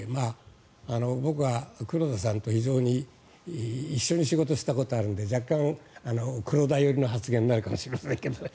僕は黒田さんと一緒に仕事をしたことがあるので若干、黒田寄りの発言になってるかもしれませんけどね。